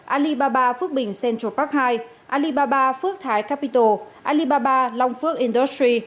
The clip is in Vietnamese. alibaba phước bình central park hai alibaba phước thái capital alibaba long phước industry